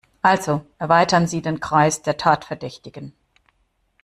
Also erweiterten sie den Kreis der Tatverdächtigen.